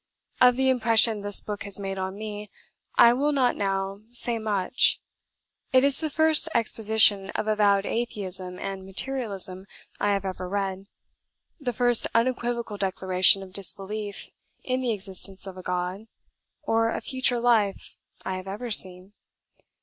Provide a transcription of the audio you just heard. "Of the impression this book has made on me, I will not now say much. It is the first exposition of avowed atheism and materialism I have ever read; the first unequivocal declaration of disbelief in the existence of a God or a future life I have ever seen.